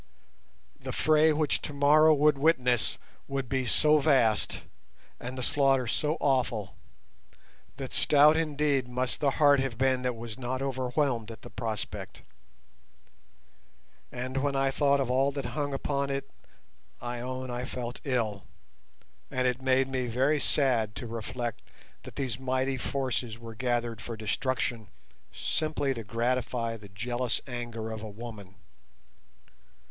The fray which tomorrow would witness would be so vast, and the slaughter so awful, that stout indeed must the heart have been that was not overwhelmed at the prospect. And when I thought of all that hung upon it, I own I felt ill, and it made me very sad to reflect that these mighty forces were gathered for destruction, simply to gratify the jealous anger of a woman.